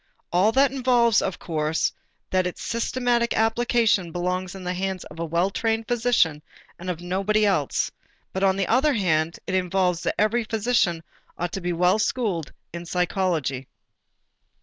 All that involves of course that its systematic application belongs in the hands of the well trained physician and of nobody else, but on the other hand, it involves that every physician ought to be well schooled in psychology.